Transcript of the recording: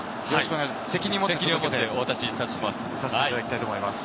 責任持ってお渡しさせていただきたいと思います。